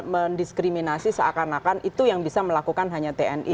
mendiskriminasi seakan akan itu yang bisa melakukan hanya tni